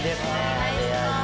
お願いします。